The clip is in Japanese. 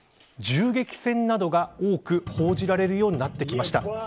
銃撃戦などが多く報じられるようになってきました。